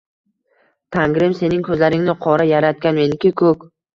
Tangrim sening ko'zlaingni qora yaratgan, menikini — ko'k.